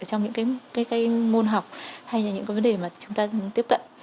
trong những cái môn học hay là những cái vấn đề mà chúng ta tiếp cận